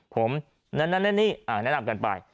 ผมนั่นนั่นนี่อ่าแนะนำกันไป